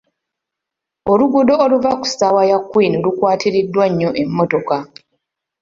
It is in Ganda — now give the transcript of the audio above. Oluguuddo oluva ku ssaawa ya kwini lukwatiriddwa nnyo emmotoka.